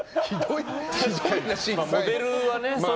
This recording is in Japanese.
モデルはね。